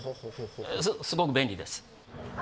すごく便利です。